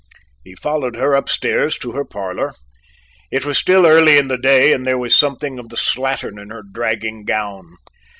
He followed her upstairs to her parlour. It was still early in the day and there was something of the slattern in her dragging gown.